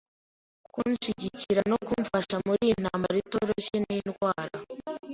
kunshigikira no kumfasha muriyi ntambara itoroshye n'indwara.